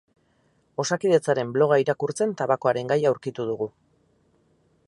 Osakidetzaren bloga irakurtzen tabakoaren gaia aurkitu dugu.